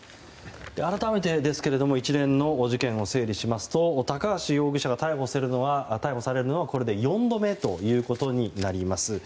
改めてですが一連の事件を整理しますと高橋容疑者が逮捕されるのはこれで４度目ということになります。